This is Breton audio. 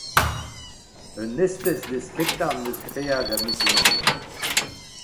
Un estez Desketa 'm eus graet ar mintin-mañ.